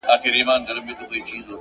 تالنده برېښنا يې خــوښـــــه ســوېده،